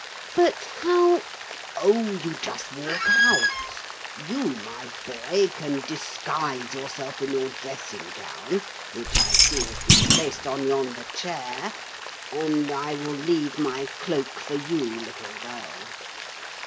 'But how ' 'Oh, you just walk out. You, my boy, can disguise yourself in your dressing gown which I see has been placed on yonder chair, and I will leave my cloak for you, little girl.'